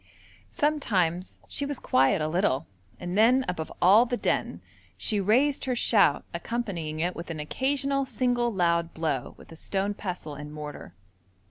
Sometimes she was quiet a little, and then, above all the din, she raised her shout, accompanying it with an occasional single loud blow with a stone pestle and mortar.